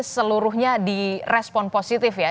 seluruhnya di respon positif ya